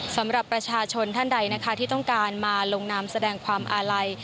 สำหรับประชาชนท่านใดนะคะที่ต้องการมาลงนามแสดงความอาลัย